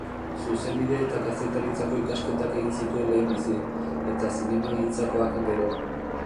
Zuzenbide eta kazetaritzako ikasketak egin zituen lehenbizi, eta zinemagintzakoak gero.